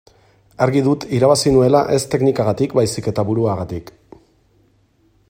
Argi dut irabazi nuela ez teknikagatik baizik eta buruagatik.